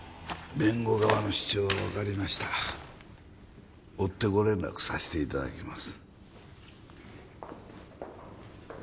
弁護側の主張は分かりました追ってご連絡させていただきます